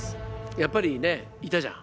やっぱりねいたじゃん。